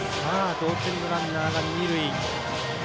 同点のランナーが二塁。